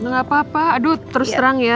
gapapa aduh terus terang ya